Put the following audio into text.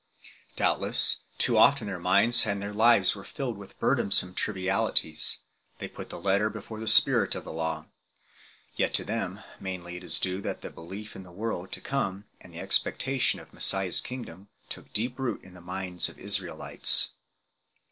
Doubtless, too often their minds and thei/ lives were filled with burdensome trivialities ; they put the letter before the spirit of the Law ; yet to them mc,baly it is due that the belief in a world to come and the ex pectation of Messiah s kingdom took deep root in the minds of Israelites.